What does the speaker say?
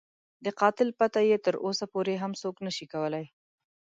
د قاتل پته یې تر اوسه پورې هم څوک نه شي کولای.